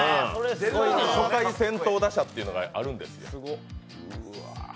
初回先頭打者っていうのがあるんですよ。